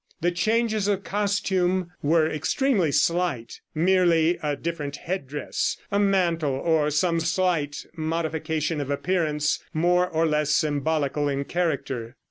The changes of costume were extremely slight, merely a different head dress, a mantle or some slight modification of appearance more or less symbolical in character.